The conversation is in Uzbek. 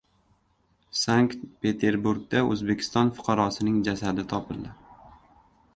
Sankt-Peterburgda O‘zbekiston fuqarosining jasadi topildi